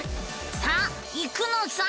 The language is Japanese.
さあ行くのさ！